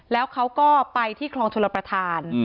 แล้วเขาก็ไปที่คลองชลประธาน